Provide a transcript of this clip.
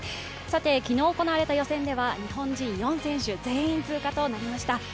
さて、昨日行われた予選では日本人４選手、全員通過となりました。